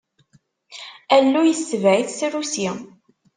Alluy tetbeɛ-it trusi.